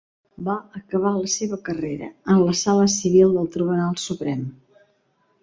Va acabar la seva carrera en la Sala civil del Tribunal Suprem.